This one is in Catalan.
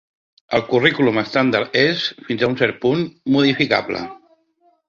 El currículum estàndard és, fins a un cert punt, modificable.